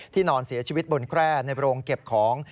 นอนเสียชีวิตบนแคร่ในโรงเก็บของ